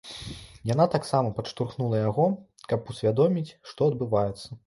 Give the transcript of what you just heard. Яна таксама падштурхнула яго, каб усвядоміць, што адбываецца.